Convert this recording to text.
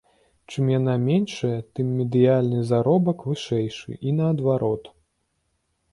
Чым яна меншая, тым медыяльны заробак вышэйшы, і наадварот.